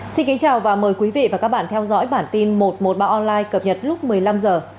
xin kính chào và mời quý vị và các bạn theo dõi bản tin một trăm một mươi ba online cập nhật lúc một mươi năm h